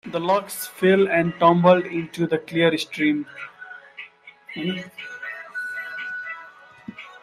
The logs fell and tumbled into the clear stream.